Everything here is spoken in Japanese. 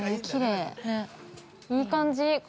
いい感じ。